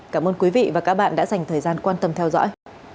cảm ơn quý vị và các bạn đã dành thời gian quan tâm theo dõi